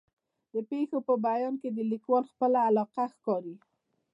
د پېښو په بیان کې د لیکوال خپله علاقه ښکاري.